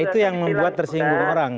itu yang membuat tersinggung orang